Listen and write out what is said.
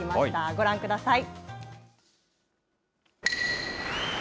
ご覧ください。